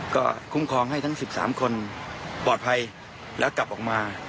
ก็คุ้มครองให้ทั้ง๑๓คนปลอดภัยแล้วกลับออกมา